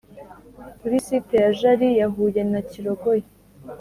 kuri site ya jali yahuye na kirogoya